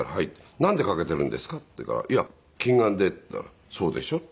「なんでかけているんですか？」って言うから「いや近眼で」って言ったら「そうでしょ？」って。